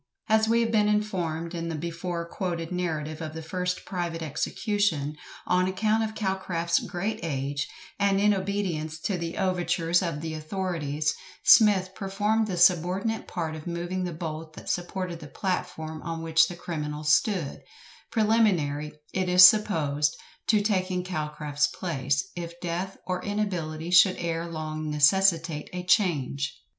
As we have been informed in the before quoted narrative of the first private execution, on account of Calcraft's great age, and in obedience to the overtures of the authorities, SMITH performed the subordinate part of moving the bolt that supported the platform on which the criminal stood; preliminary, it is supposed, to taking Calcraft's place, if death or inability should ere long necessitate a change.